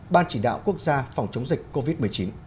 ban chỉ đạo quốc gia phòng chống dịch covid một mươi chín